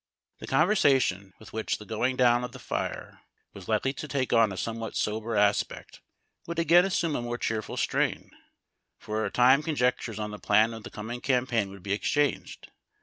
335 The conversation, which, with the going clown of tlie fire, was lilcely to take on a somewhat sober asjiect, would again assume a more cheerful strain. For a time conjectures on the plan of the coming compaign would be exchanged.